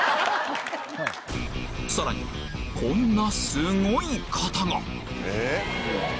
さらにこんなすごい方が！